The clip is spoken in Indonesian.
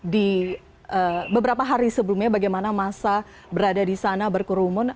di beberapa hari sebelumnya bagaimana masa berada di sana berkerumun